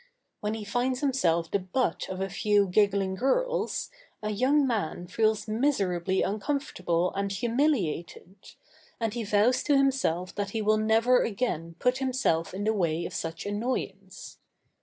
When he finds himself the butt of a few giggling girls, a young man feels miserably uncomfortable and humiliated, and he vows to himself that he will never again put himself in the way of such annoyance.